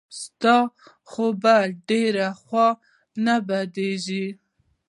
ستا خو به ډېره خوا نه بدېږي.